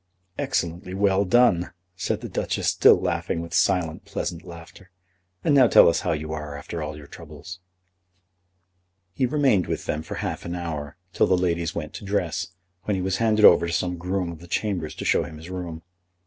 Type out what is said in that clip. "Excellently well done," said the Duchess, still laughing with silent pleasant laughter. "And now tell us how you are, after all your troubles." [Illustration: "Yes, there she is."] He remained with them for half an hour, till the ladies went to dress, when he was handed over to some groom of the chambers to show him his room.